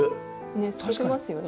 ねっ透けてますよね。